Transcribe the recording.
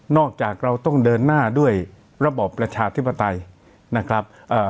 จากเราต้องเดินหน้าด้วยระบอบประชาธิปไตยนะครับเอ่อ